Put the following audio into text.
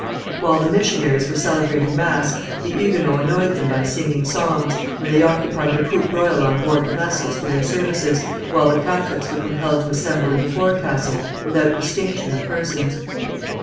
While the missionaries were celebrating mass, the Huguenots annoyed them by singing psalms, and they occupied the poop royal on board the vessels for their services, while the Catholics were compelled to assemble in the forecastle, without distinction of persons.